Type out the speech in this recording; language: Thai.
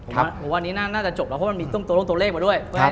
ผมว่านี้น่าจะจบแล้วเพราะมันมีตัวลงตัวเลขมาด้วย